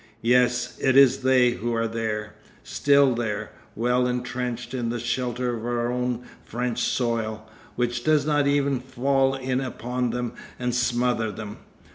Yes, it is They who are there, still there, well entrenched in the shelter of our own French soil, which does not even fall in upon them and smother them.